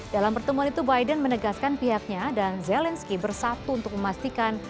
dalam pertemuan itu biden menegaskan pihaknya dan zelensky bersatu untuk memastikan